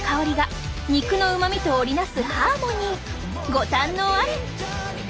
ご堪能あれ！